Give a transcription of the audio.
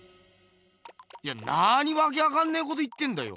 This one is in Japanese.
いやなにわけわかんねえこと言ってんだよ。